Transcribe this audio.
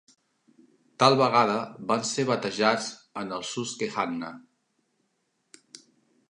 Tal vegada van ser batejats en el Susquehanna.